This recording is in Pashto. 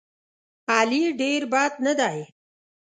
علي ډېر بد نه دی.